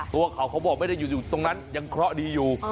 ตัวเขาเขาบอกไม่ได้อยู่ตรงนั้นยังเคราะห์ดีอยู่